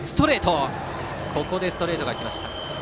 ここでストレートが来ました。